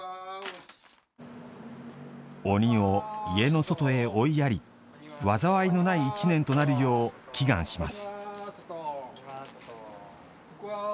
鬼を家の外へ追いやり禍のない１年となるよう祈願します。